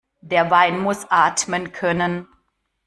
Der Wein muss atmen können.